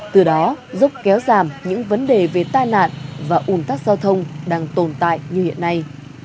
từ đó giúp kéo giảm những vấn đề về tai nạn và ủn tắc giao thông đang tồn tại như hiện nay